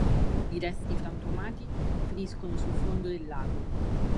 I resti frantumati finiscono sul fondo del lago.